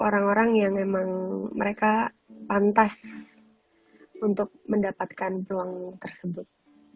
orang orang yang memang mereka pantas untuk mendapatkan peluang tersebut